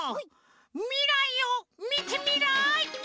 みらいをみてみらい！